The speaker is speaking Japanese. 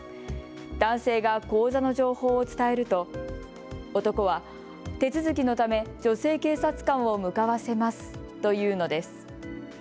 男性が口座の情報を伝えると男は、手続きのため女性警察官を向かわせますと言うのです。